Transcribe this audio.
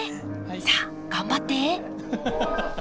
さあ頑張って！